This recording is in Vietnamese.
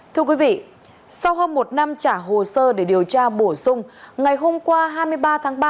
thưa quý vị sau hơn một năm trả hồ sơ để điều tra bổ sung ngày hôm qua hai mươi ba tháng ba